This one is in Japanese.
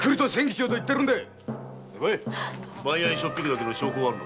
番屋へしょっぴくだけの証拠はあるのか。